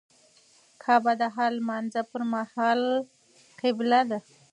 کعبه د هر لمونځه پر مهال قبله ده.